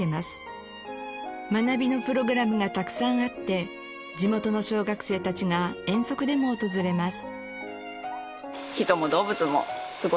学びのプログラムがたくさんあって地元の小学生たちが遠足でも訪れます。